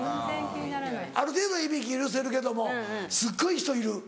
ある程度のいびき許せるけどもすっごい人いる。